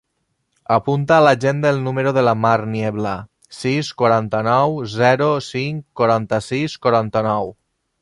Apunta a l'agenda el número de la Mar Niebla: sis, quaranta-nou, zero, cinc, quaranta-sis, quaranta-nou.